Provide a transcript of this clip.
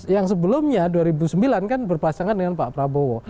yang sebelumnya dua ribu sembilan kan berpasangan dengan pak prabowo